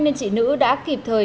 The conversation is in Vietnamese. nên chị nữ đã kịp thời